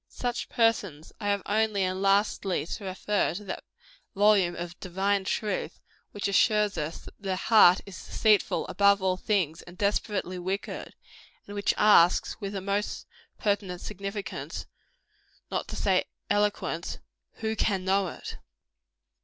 Such persons I have only and lastly to refer to that volume of Divine Truth, which assures us that the heart is deceitful above all things and desperately wicked; and which asks, with the most pertinent significance, not to say eloquence WHO CAN KNOW IT?